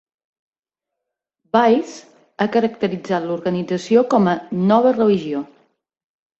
"Vice" ha caracteritzat l'organització com a "nova religió".